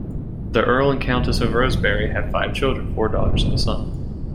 The Earl and Countess of Rosebery have five children, four daughters and a son.